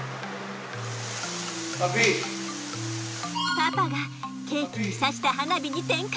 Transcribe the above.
パパがケーキに刺した花火に点火。